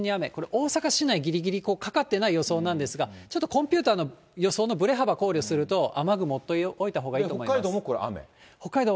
大阪市内、ぎりぎりかかっていない予想なんですが、ちょっとコンピューターの予想のぶれ幅考慮すると、雨雲と思っておいた方がいいと思います。